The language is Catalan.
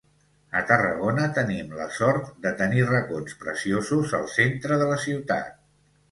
A Tarragona tenim la sort de tenir racons preciosos al centre de la ciutat.